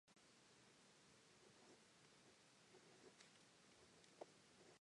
These dangers include earthquakes, tsunamis, and volcanoes.